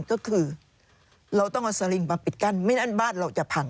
ก็คือเราต้องเอาสลิงมาปิดกั้นไม่นั่นบ้านเราจะพัง